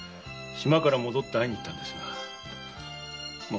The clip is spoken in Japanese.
島から戻って会いに行ったんですがもうそこには。